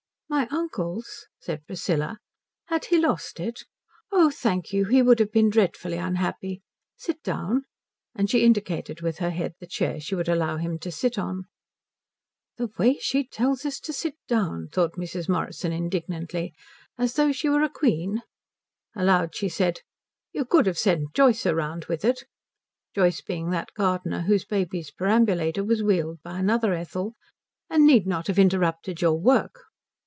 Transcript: "My uncle's?" said Priscilla. "Had he lost it? Oh thank you he would have been dreadfully unhappy. Sit down." And she indicated with her head the chair she would allow him to sit on. "The way she tells us to sit down!" thought Mrs. Morrison indignantly. "As though she were a queen." Aloud she said, "You could have sent Joyce round with it" Joyce being that gardener whose baby's perambulator was wheeled by another Ethel "and need not have interrupted your work."